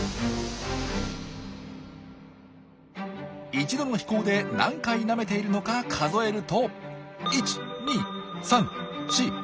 一度の飛行で何回なめているのか数えると。